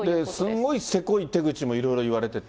すごいせこい手口もいろいろいわれてて。